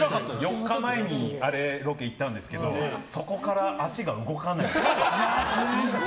４日前にロケ行ったんですけどそこから足が動かない。